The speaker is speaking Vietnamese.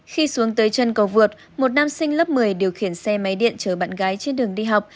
khi xuống tới chân cầu vượt một nam sinh lớp một mươi điều khiển xe máy điện chở bạn gái trên đường đi học